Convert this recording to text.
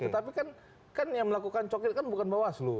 tapi kan yang melakukan coklat kan bukan bawaslu